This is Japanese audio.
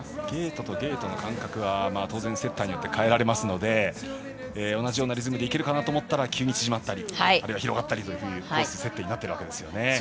ゲートとゲートの間隔は当然セッターによって変えられますので同じようなリズムでいけるかなと思ったら急に縮まったり広がるコース設定になっているわけですよね。